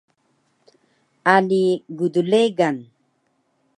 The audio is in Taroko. Ali gdregan